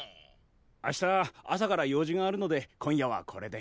明日朝から用事があるので今夜はこれで。